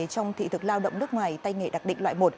trong thị thực lao động nước ngoài tay nghề đặc định loại một